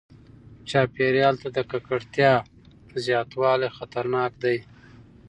چاپیریال ته د ککړتیا زیاتوالی خطرناک دی.